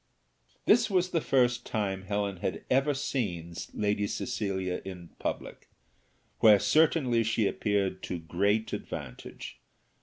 This was the first time Helen had ever seen Lady Cecilia in public, where certainly she appeared to great advantage.